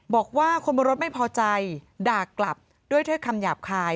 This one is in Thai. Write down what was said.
บอกว่าคนบนรถไม่พอใจด่ากลับด้วยถ้อยคำหยาบคาย